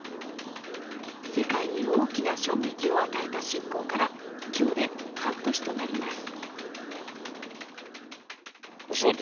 世界に大きな衝撃を与えた侵攻から今日で半年となります。